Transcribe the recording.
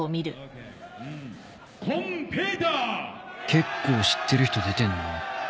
結構知ってる人出てんな